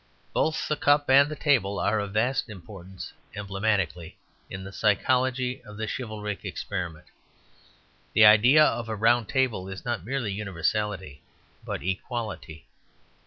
Both the cup and the table are of vast importance emblematically in the psychology of the chivalric experiment. The idea of a round table is not merely universality but equality.